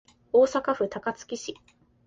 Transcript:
大阪府高槻市